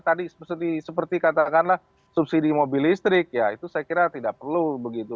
tadi seperti katakanlah subsidi mobil listrik ya itu saya kira tidak perlu begitu